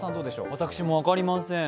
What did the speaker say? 私も分かりません。